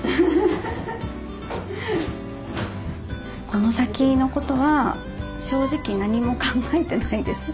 この先のことは正直何も考えてないです。